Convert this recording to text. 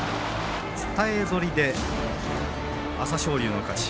伝えぞりで朝青龍の勝ち。